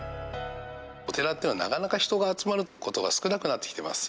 お寺っていうのは、なかなか人が集まることが少なくなってきています。